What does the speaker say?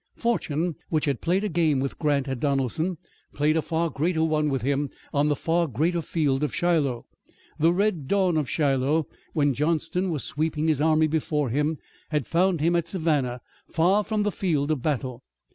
Fortune, which had played a game with Grant at Donelson, played a far greater one with him on the far greater field of Shiloh. The red dawn of Shiloh, when Johnston was sweeping his army before him, had found him at Savannah far from the field of battle.